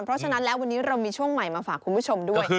เพราะฉะนั้นแล้ววันนี้เรามีช่วงใหม่มาฝากคุณผู้ชมด้วย